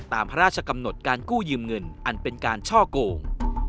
ตามพระราชกำหนดการกู้ยืมเงินอันเป็นการช่อโกง